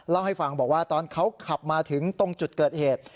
เล่าให้ฟังบอกว่าตอนเขาขับมาถึงตรงจุดเกิดเหตุ